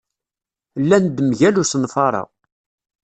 Llan-d mgal usenfar-a.